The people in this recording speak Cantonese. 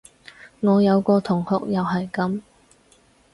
我有個同學又係噉